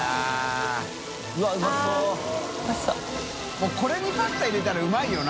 發これにパスタ入れたらうまいよな。